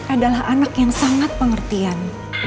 adalah anak yang sangat pengertian